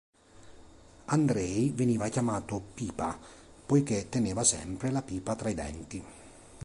Andrei veniva chiamato "Pipa" poiché teneva sempre la pipa tra i denti.